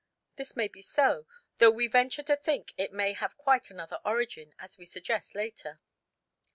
This may be so, though we venture to think it may have quite another origin, as we suggest later.